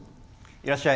いらっしゃい。